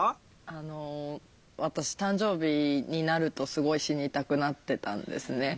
あの私誕生日になるとすごい死にたくなってたんですね。